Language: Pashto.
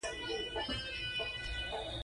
شګې پر خپلو ځايونو پرتې وې.